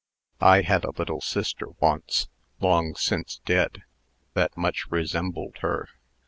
I had a little sister once long since dead that much resembled her.